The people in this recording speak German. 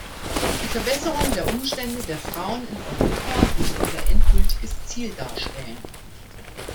Die Verbesserung der Umstände der Frauen in Europa muss unser endgültiges Ziel darstellen.